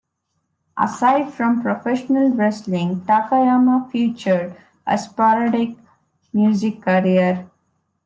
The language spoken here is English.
Aside from professional wrestling, Takayama featured a sporadic music career.